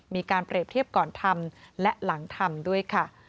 มีการเปรียบเทียบก่อนทำและหลังทำด้วยค่ะ